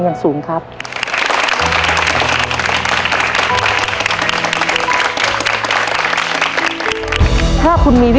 หนึ่งล้าน